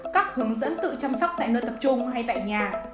các hướng dẫn tự chăm sóc tại nơi tập trung hay tại nhà